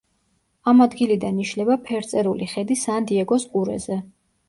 ამ ადგილიდან იშლება ფერწერული ხედი სან-დიეგოს ყურეზე.